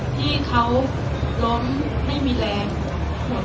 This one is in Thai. ที่เขาล้มไม่มีแต่นิ่ม